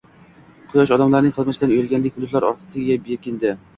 Quyosh odamlarning qilmishidan uyalgandek bulutlar ortiga berkindi